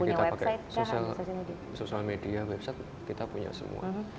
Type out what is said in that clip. kita pakai sosial media website kita punya semua